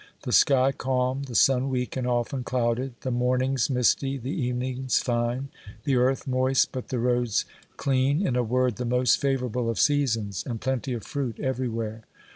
The sky calm, the sun weak and often clouded, the mornings misty, the evenings fine, the earth moist but the roads clean ; in a word, the most favourable of seasons, and plenty of fruit everywhere.